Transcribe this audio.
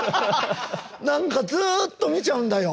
何かずっと見ちゃうんだよ